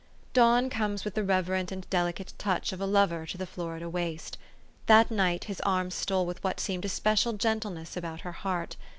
Dawn comes with the reverent and delicate touch of a lover to the Florida waste. That night his arm stole with what seemed especial gentleness about her heart.